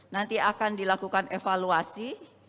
nanti akan dilakukan evaluasi